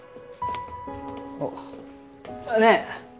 あっねぇ。